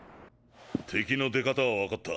敵の出方は分かった。